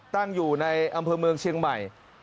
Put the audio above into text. ตั้งอยู่ในอำเภอเมืองเชียงใหม่